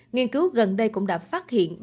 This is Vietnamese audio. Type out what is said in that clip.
nghiên cứu gần đây cũng đã phát hiện